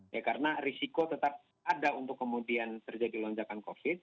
ya karena risiko tetap ada untuk kemudian terjadi lonjakan covid